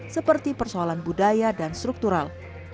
seperti persoalan budaya dan struktural